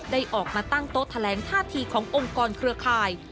ได้ออกมาตั้งโต๊ะแถลงท่าทีขององค์กรเครือข่าย